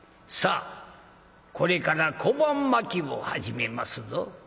「さあこれから小判まきを始めますぞ。